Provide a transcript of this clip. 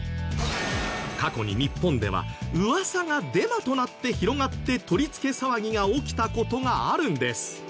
過去に日本では噂がデマとなって広がって取り付け騒ぎが起きた事があるんです。